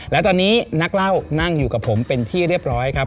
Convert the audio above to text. และตอนนี้นักเล่านั่งอยู่กับผมเป็นที่เรียบร้อยครับ